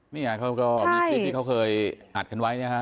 นี่ค่ะเขาก็มีสิทธิ์ที่เขาเคยอัดขันไว้เนี่ยค่ะ